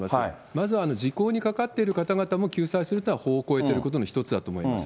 まずは、時効にかかっている方々も救済するっていうのが法を超えてるってことの１つだと思います。